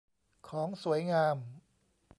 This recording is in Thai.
ของสวยงาม